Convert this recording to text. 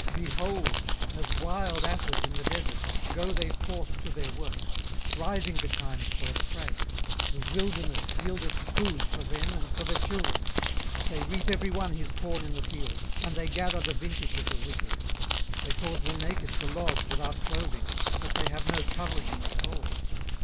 18:024:005 Behold, as wild asses in the desert, go they forth to their work; rising betimes for a prey: the wilderness yieldeth food for them and for their children. 18:024:006 They reap every one his corn in the field: and they gather the vintage of the wicked. 18:024:007 They cause the naked to lodge without clothing, that they have no covering in the cold.